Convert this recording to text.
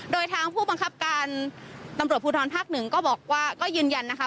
โดยทางผู้บังคับการตำรวจภูทรภาค๑ก็ยืนยันนะคะ